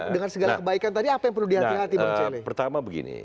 dengan segala kebaikan tadi apa yang perlu dihati hati